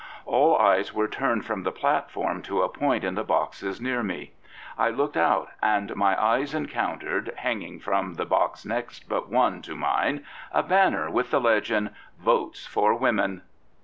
All eyes were turned from the platform to a point in the boxes near me. I looked out and my eyes encountered, hanging from the box next but one to mine, a banner with the legend " Votes for Women.